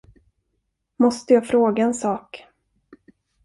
Måste jag fråga en sak.